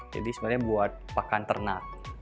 jadi sebenarnya buat pakan ternak